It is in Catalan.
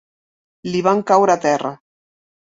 Li van caure a terra.